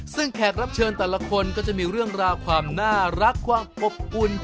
ซึ่งแขกรับเชิญแต่ละคนก็จะมีเรื่องราวความน่ารักความอบอุ่น